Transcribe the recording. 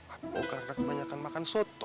apokah ada kebanyakan makan soto